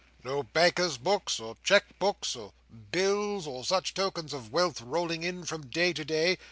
"No bankers' books, or cheque books, or bills, or such tokens of wealth rolling in from day to day?"